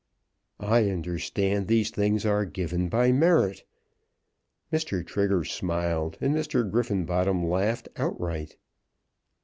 "I understand these things are given by merit." Mr. Trigger smiled, and Mr. Griffenbottom laughed outright.